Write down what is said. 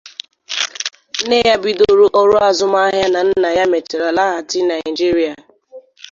Nne ya bidoro ọrụ azụmahịa na nna ya mechara laghachi Naịjirịa.